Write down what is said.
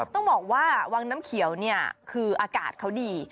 ต้องบอกว่าวังน้ำเขียวเนี่ยคืออากาศเขาดี